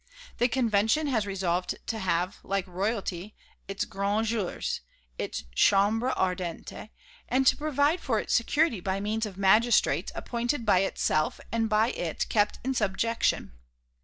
The Convention has resolved to have, like Royalty, its Grands Jours, its Chambre Ardente, and to provide for its security by means of magistrates appointed by itself and by it kept in subjection.